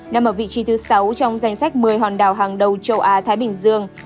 nằm ở vị trí thứ sáu trong danh sách một mươi hòn đảo hàng đầu châu á thái bình dương